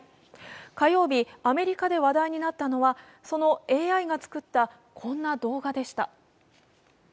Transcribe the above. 火曜日、アメリカで話題になったのはそのＡＩが作った、こんな動画でした